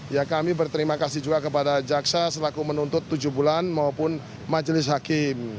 ya kami berterima kasih juga kepada jaksa selaku menuntut tujuh bulan maupun majelis hakim